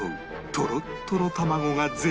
とろっとろ卵が絶妙！